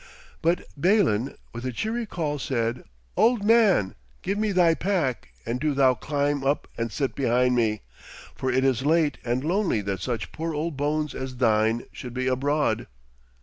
But Balin, with a cheery call, said: 'Old man, give me thy pack, and do thou climb up and sit behind me. For it is late and lonely that such poor old bones as thine should be abroad.'